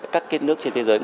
các kết nước trên thế giới